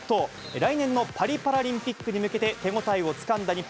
来年のパリパラリンピックに向けて手応えをつかんだ日本。